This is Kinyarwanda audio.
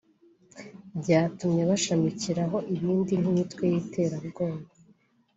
byatumye hashamikiraho ibindi nk’’imitwe y’iterabwoba